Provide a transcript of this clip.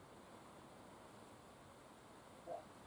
Love you two!